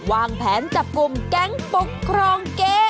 วางแผนจับกลุ่มแก๊งปกครองเก้